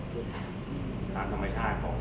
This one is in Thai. มันประกอบกันแต่ว่าอย่างนี้แห่งที่